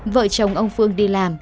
vợ chồng ông phương đi làm